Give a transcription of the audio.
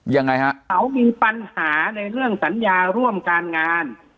ยังไงฮะเขามีปัญหาในเรื่องสัญญาร่วมการงาน